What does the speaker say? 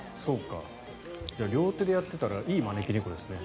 じゃあ、両手でやっていたらいい招き猫ですね。